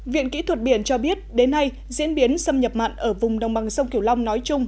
viện kỹ thuật biển cho biết đến nay diễn biến xâm nhập mặn ở vùng đồng bằng sông kiểu long nói chung